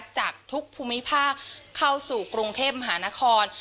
จากทุกภูมิภาคเข้าสู่กรุงเทพมหานคร